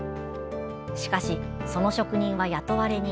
しかし、その職人は雇われ人。